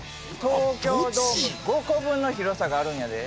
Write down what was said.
東京ドーム５個分の広さがあるんやで。